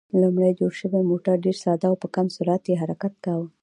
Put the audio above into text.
لومړی جوړ شوی موټر ډېر ساده و او په کم سرعت یې حرکت کاوه.